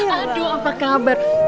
aduh apa kabar